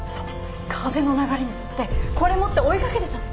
風の流れに沿ってこれ持って追いかけてたの。